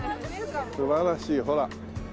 素晴らしいほら。